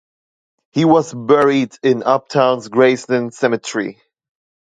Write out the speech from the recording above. He was buried in Uptown's Graceland Cemetery.